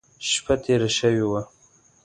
شپه تېره شوې وه.